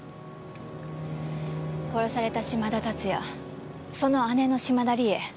殺された嶋田龍哉その姉の嶋田理恵。